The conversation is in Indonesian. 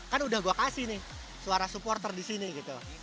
kan udah gue kasih nih suara supporter di sini gitu